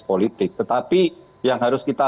politik tetapi yang harus kita